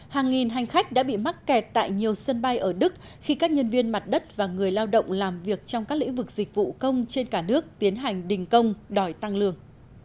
hàng nghìn hành khách đã bị mắc kẹt tại nhiều sân bay ở đức khi các nhân viên mặt đất và người lao động làm việc trong các lĩnh vực dịch vụ công trên cả nước tiến hành đình công đòi tăng lương